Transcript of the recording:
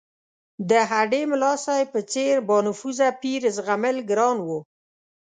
د هډې ملاصاحب په څېر بانفوذه پیر زغمل ګران وو.